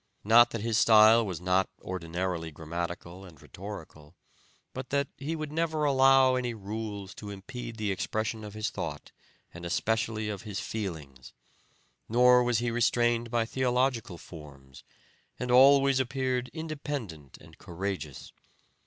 Not that his style was not ordinarily grammatical and rhetorical, but that he would never allow any rules to impede the expression of his thought and especially of his feelings, nor was he restrained by theological forms, and always appeared independent and courageous.